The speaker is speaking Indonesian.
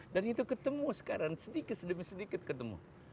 dan itu ketemu sekarang sedikit demi sedikit ketemu